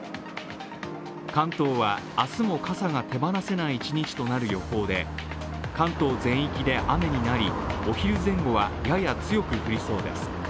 関東は、明日も傘が手放せない一日となる予報で、関東全域で雨になり、お昼前後はやや強く降りそうです。